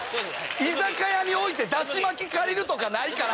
居酒屋においてダシ巻き借りるとかないから。